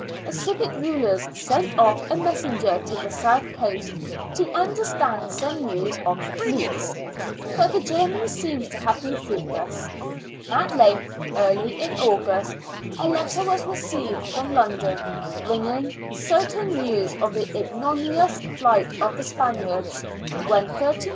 The civic rulers sent off a messenger to the South Coast " to understand some news of the fleets," but the journey seems to have been fruitless. At length, early in August, a letter was received from London, bringing " certain news " of the ignominious flight of the Spaniards, when 13s.